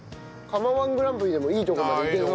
釜−１グランプリでもいいとこまでいけそうだね。